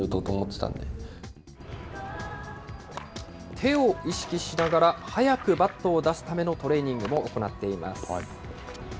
手を意識しながら、速くバットを出すためのトレーニングも行っています。